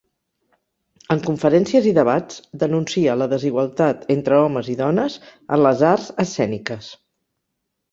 En conferències i debats denuncia la desigualtat entre homes i dones en les arts escèniques.